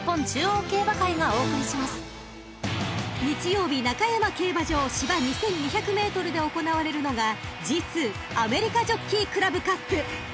［日曜日中山競馬場芝２，２００ｍで行われるのがＧⅡアメリカジョッキークラブカップ］